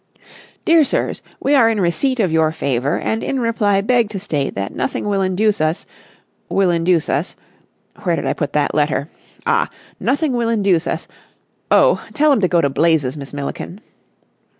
"Dear Sirs,—We are in receipt of your favour and in reply beg to state that nothing will induce us ... will induce us ... where did I put that letter? Ah!... nothing will induce us ... oh, tell 'em to go to blazes, Miss Milliken."